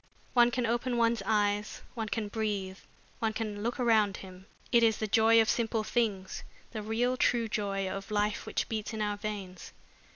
One can open one's eyes, one can breathe, one can look around him. It is the joy of simple things, the real true joy of life which beats in our veins.